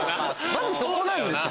まずそこなんです！